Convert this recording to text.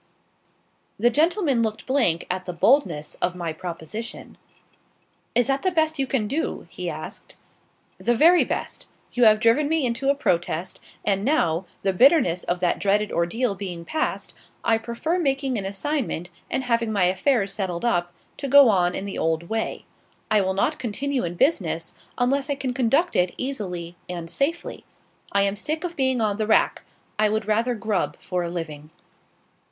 The gentleman looked blank at the boldness of my proposition. "Is that the best you can do?" he asked. "The very best. You have driven me into a protest, and now, the bitterness of that dreaded ordeal being past, I prefer making an assignment and having my affairs settled up, to going on in the old way. I will not continue in business, unless I can conduct it easily and safely. I am sick of being on the rack; I would rather grub for a living."